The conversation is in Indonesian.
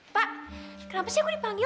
pak kenapa sih aku dipanggil